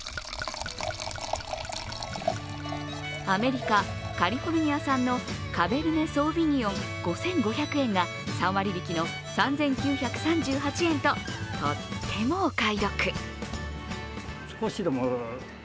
アメリカ・カリフォルニア産のカベルネ・ソービニョン５５００円が３割引の３９３８円ととってもお買い得。